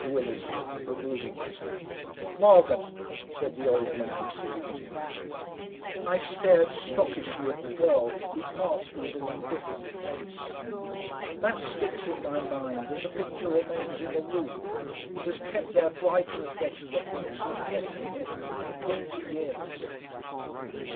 said Willersley, removing his hat. "Morgen!" said the old man, saluting. I stared stockishly at the girl, who passed with an indifferent face. That sticks in my mind as a picture remains in a room, it has kept there bright and fresh as a thing seen yesterday, for twenty years....